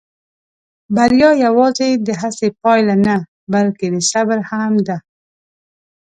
بریا یواځې د هڅې پایله نه، بلکې د صبر هم ده.